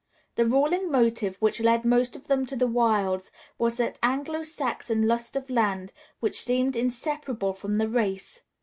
The ruling motive which led most of them to the wilds was that Anglo Saxon lust of land which seems inseparable from the race.